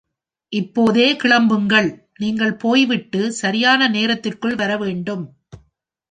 இப்போதே கிளம்புங்கள், நீங்கள் போய்விட்டு சரியான நேரத்திற்குள் வரவேண்டும்.